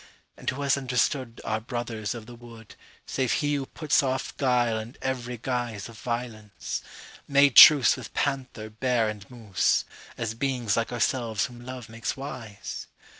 …And who has understoodOur brothers of the wood, Save he who puts off guile and every guiseOf violence,—made truceWith panther, bear, and moose, As beings like ourselves whom love makes wise?